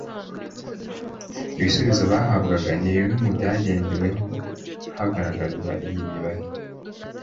ibisubizo bahabwaga ni bimwe mu byagendeweho hagaragazwa iyi mibare